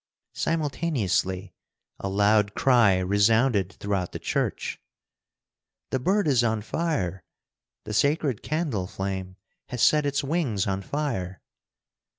Simultaneously a loud cry resounded throughout the church: "The bird is on fire! The sacred candle flame has set its wings on fire!"